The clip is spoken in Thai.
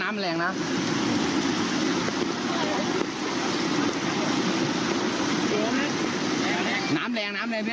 น้ำแรงเขื่อพี่เซีย